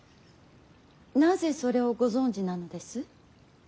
なぜそれをご存じなのです。